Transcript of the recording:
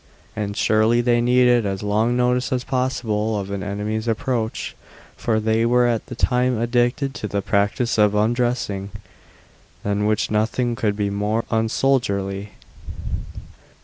And surely they needed as long notice as possible of an enemy's approach, for they were at that time addicted to the practice of undressing than which nothing could be more unsoldierly.